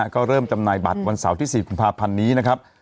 ก็เริ่มจำหน่ายบัตรวันเสาร์ที่๔กุมภาพันธ์นี้นะครับ